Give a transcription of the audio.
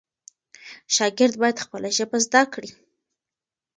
شاګرد باید خپله ژبه زده کړي.